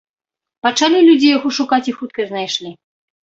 Пачалі людзі яго шукаць і хутка знайшлі.